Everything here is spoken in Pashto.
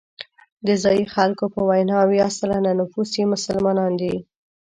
د ځایي خلکو په وینا اویا سلنه نفوس یې مسلمانان دي.